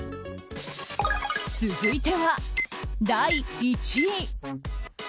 続いては第１位。